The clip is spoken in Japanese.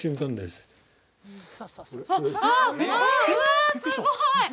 すごい！